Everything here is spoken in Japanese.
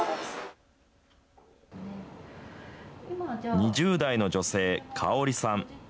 ２０代の女性、カオリさん。